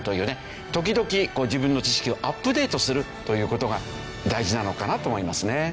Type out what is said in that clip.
時々自分の知識をアップデートするという事が大事なのかなと思いますね。